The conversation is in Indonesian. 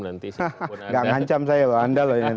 nanti siapapun anda